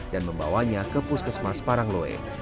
dan membawanya ke puskesmas parangloe